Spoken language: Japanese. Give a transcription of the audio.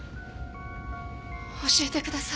教えてください。